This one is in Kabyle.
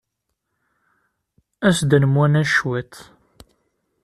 As-d ad nemwanas cwiṭ.